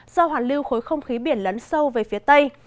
do hoàn lưu khối không khí biển lấn sâu về phía tây